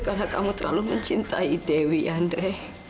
karena kamu terlalu mencintai dewi andre